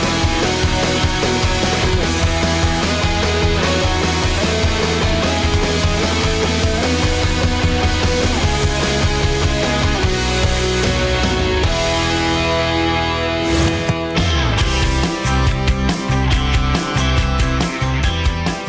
สวัสดีครับ